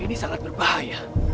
ini sangat berbahaya